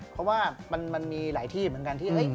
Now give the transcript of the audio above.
เพราะว่ามันมีหลายที่เหมือนกันที่